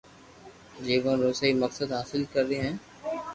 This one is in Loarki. جيون رو سھي مقصد حاصل ڪري ھين